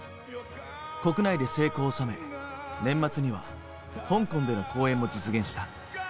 国内で成功を収め年末には香港での公演も実現した。